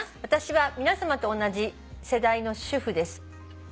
「私は皆さまと同じ世代の主婦です」